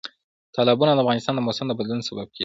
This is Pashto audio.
تالابونه د افغانستان د موسم د بدلون سبب کېږي.